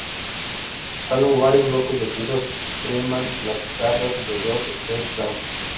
Salvo varios bloques de pisos, priman las casas de dos o tres plantas.